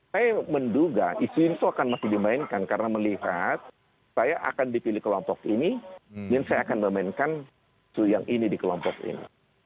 saya menduga isu ini akan masih dimainkan karena melihat saya akan dipilih kelompok ini dan saya akan memainkan isu yang ini di kelompok ini